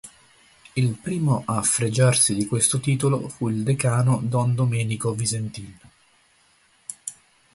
Il primo a fregiarsi di questo titolo fu il decano don Domenico Visentin.